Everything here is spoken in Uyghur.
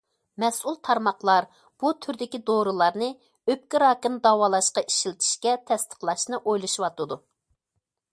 مەسئۇل تارماقلار بۇ تۈردىكى دورىلارنى ئۆپكە راكىنى داۋالاشقا ئىشلىتىشكە تەستىقلاشنى ئويلىشىۋاتىدۇ.